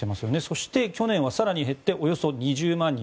そして、去年は更に減っておよそ２０万人。